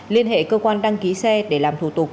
liên hệ cơ quan đăng ký xe để làm thủ tục